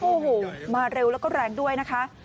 โอ้โหมาเร็วแล้วก็แรงด้วยนะคะ